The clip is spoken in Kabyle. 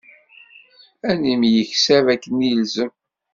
Ad nemyeksab akken ilzem.